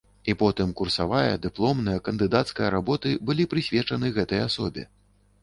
І потым курсавая, дыпломная, кандыдацкая работы былі прысвечаны гэтай асобе.